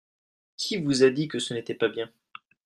Qui vous a dit que ce n'était pas bien ?